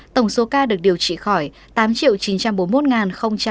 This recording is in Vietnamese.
tổng số ca được điều trị khỏi tám chín trăm bốn mươi một sáu mươi bốn ca